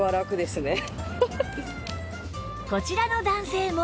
こちらの男性も